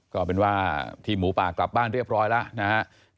ก็เป็นว่าทีมหมูป่ากลับบ้านเรียบร้อยแล้วนะครับ